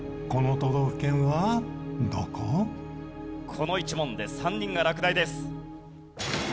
この１問で３人が落第です。